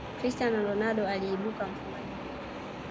cristiano ronaldo aliibuka mfungaji bora